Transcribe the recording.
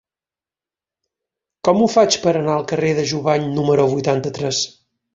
Com ho faig per anar al carrer de Jubany número vuitanta-tres?